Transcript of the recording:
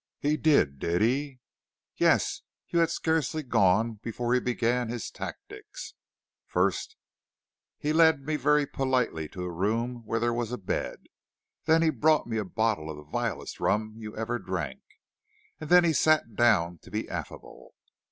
"He did, did he?" "Yes; you had scarcely gone before he began his tactics. First he led me very politely to a room where there was a bed; then he brought me a bottle of the vilest rum you ever drank; and then he sat down to be affable.